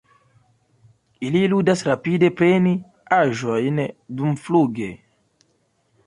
Ili ludas rapide preni aĵojn dumfluge.